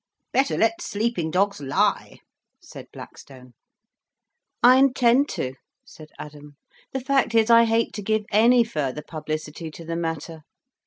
"Better let sleeping dogs lie," said Blackstone. "I intend to," said Adam. "The fact is, I hate to give any further publicity to the matter.